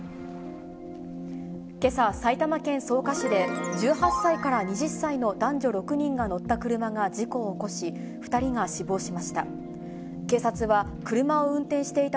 けさ、埼玉県草加市で１８歳から２０歳の男女６人が乗った車が事故を起こし、２人が死亡しました。